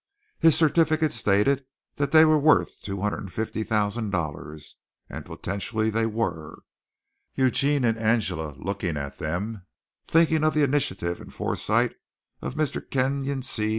His certificates stated that they were worth $250,000, and potentially they were. Eugene and Angela looking at them, thinking of the initiative and foresight of Mr. Kenyon C.